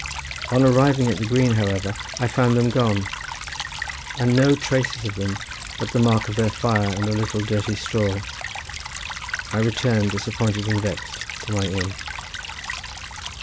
On arriving at the green, however, I found them gone, and no traces of them but the mark of their fire and a little dirty straw. I returned, disappointed and vexed, to my inn.